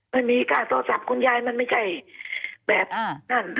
ไม่มีค่าโทรศัพท์คุณยายมันไม่ใช่แบบนั่น